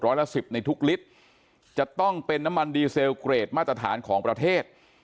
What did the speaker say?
ละสิบในทุกลิตรจะต้องเป็นน้ำมันดีเซลเกรดมาตรฐานของประเทศ